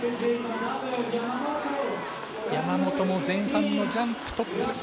山本も前半のジャンプ、トップ。